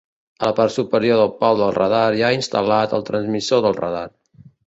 A la part superior del pal del radar hi ha instal·lat el transmissor del radar.